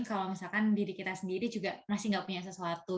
kalau misalkan diri kita sendiri juga masih gak punya sesuatu